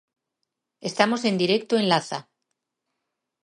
Estamos en directo en Laza.